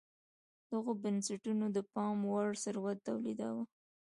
دغو بنسټونو د پاموړ ثروت تولیداوه.